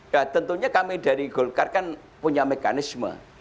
nah tentunya kami dari golkar kan punya mekanisme